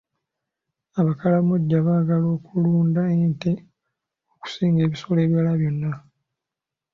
Abakalamojja baagala okulunda nte okusinga ebisolo ebirala byonna.